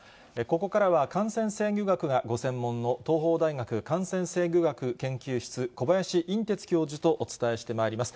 ここからは、感染制御学がご専門の、東邦大学感染制御学研究室、小林寅てつ教授とお伝えしてまいります。